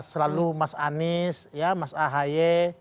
selalu mas anis ya mas a haye